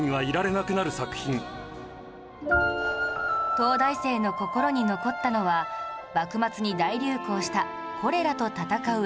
東大生の心に残ったのは幕末に大流行したコレラと闘うエピソード